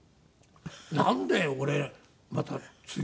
なんで俺また次。